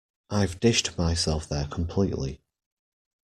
I've dished myself there completely.